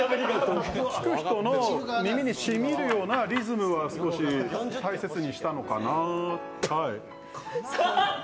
聞く人の耳に響くようなリズムは大切にしたのかなと。